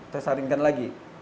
terus saringkan lagi